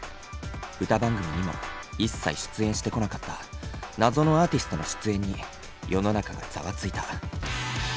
歌番組にも一切出演してこなかった謎のアーティストの出演に世の中がざわついた。